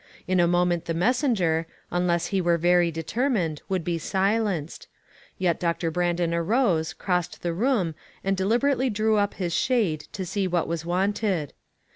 In a moment the messenger, unless he were very determined, would be silenced ; yet Doctor Brandon arose, crossed the room and deliberately drew up his shade to see what was wanted.